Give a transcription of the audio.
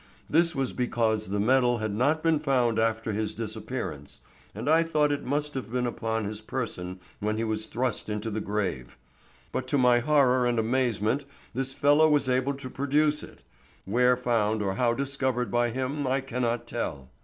This was because the medal had not been found after his disappearance, and I thought it must have been upon his person when he was thrust into the grave. But to my horror and amazement, this fellow was able to produce it,—where found or how discovered by him I cannot tell.